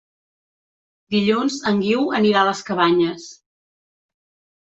Dilluns en Guiu anirà a les Cabanyes.